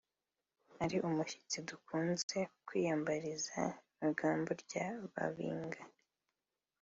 ari umushitsi dukunze kwiyambariza Ryangombe rya Babinga